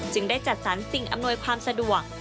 ได้จัดสรรสิ่งอำนวยความสะดวก